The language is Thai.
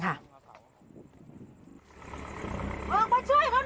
ออกมาช่วยเขาหน่อย